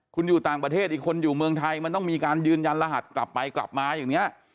คุณอยู่ต่างประเทศอีกคนอยู่เมืองไทยมันต้องมีการยืนยันรหัสกลับไปกลับมาอย่างนี้